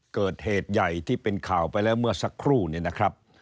เกิดเหตุใหญ่ที่เป็นข่าวไปแล้วเมื่อสักครู่เนี่ยนะครับ